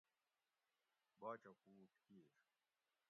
باچہ پُوٹ کیر